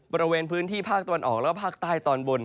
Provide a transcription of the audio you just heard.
บริเวณพื้นที่ภาคตะวันออกและภาคใต้ตอนบน